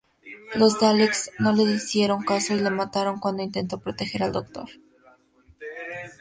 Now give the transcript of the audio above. Los Daleks no le hicieron caso y le mataron cuando intentó proteger al Doctor.